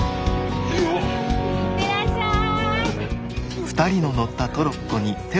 行ってらっしゃい！